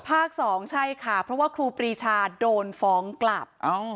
สองใช่ค่ะเพราะว่าครูปรีชาโดนฟ้องกลับ